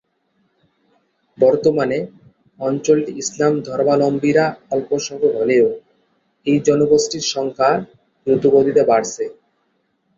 বর্তমানে, অঞ্চলটি ইসলাম ধর্মাবলম্বীরা অল্পসংখ্যক হলেও এই জনগোষ্ঠীর সংখ্যা দ্রুতগতিতে বাড়ছে।